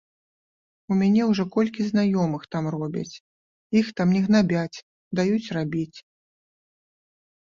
У мяне ўжо колькі знаёмых там робяць, іх там не гнабяць, даюць рабіць.